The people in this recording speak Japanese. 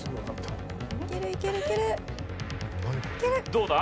どうだ？